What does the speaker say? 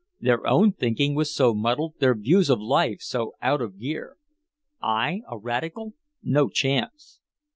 Their own thinking was so muddled, their views of life so out of gear. I a radical? No chance!